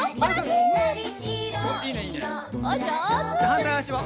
はんたいあしは？